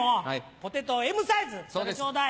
ポテトＭサイズそれちょうだい。